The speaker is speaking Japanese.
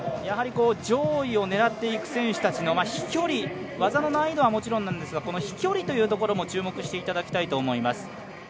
上位を狙っていく選手たちの飛距離、技の難易度はもちろんなんですがこの飛距離というところも注目していただきたいと思います